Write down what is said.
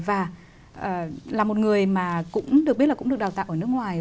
và là một người mà cũng được biết là cũng được đào tạo ở nước ngoài